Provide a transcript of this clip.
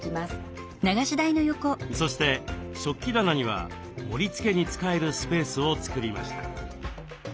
そして食器棚には盛りつけに使えるスペースを作りました。